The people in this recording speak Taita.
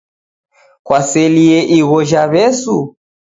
Kwaselie igho ja wesu?